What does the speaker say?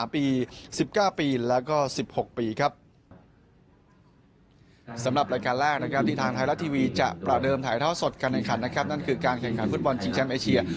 ๒๓ปี๑๙ปี